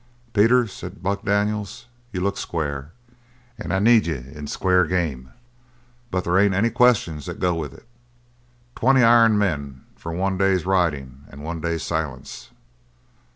"Peters," said Buck Daniels, "you look square, and I need you in square game; but there ain't any questions that go with it. Twenty iron men for one day's riding and one day's silence."